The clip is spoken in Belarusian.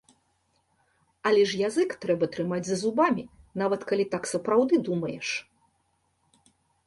Але ж язык трэба трымаць за зубамі, нават калі так сапраўды думаеш.